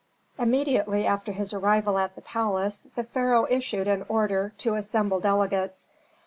Immediately after his arrival at the palace the pharaoh issued an order to assemble delegates.